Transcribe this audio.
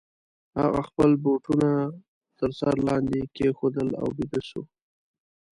هغه خپل بوټونه تر سر لاندي کښېښودل او بیده سو.